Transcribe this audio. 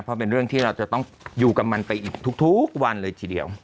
เพราะเป็นเรื่องที่เราจะต้องอยู่กับมันไปอีกทุกวันเลยทีเดียว